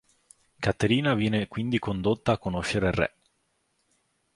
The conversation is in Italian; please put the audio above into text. Caterina viene quindi condotta a conoscere il re.